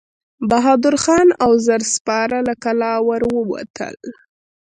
بهادر خان او زر سپاره له کلا ور ووتل.